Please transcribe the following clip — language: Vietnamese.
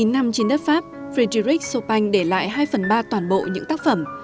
một mươi chín năm trên đất pháp frédéric chopin để lại hai phần ba toàn bộ những tác phẩm